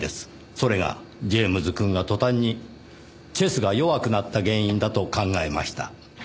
それがジェームズくんが途端にチェスが弱くなった原因だと考えました。